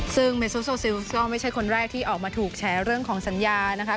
ซึ่งเมซุโซซิลสก็ไม่ใช่คนแรกที่ออกมาถูกแฉเรื่องของสัญญานะคะ